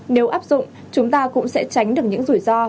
nếu áp dụng chúng ta cũng sẽ tránh được những rủi ro